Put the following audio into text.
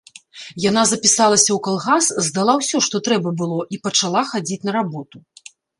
Яна запісалася ў калгас, здала ўсё, што трэба было, і пачала хадзіць на работу.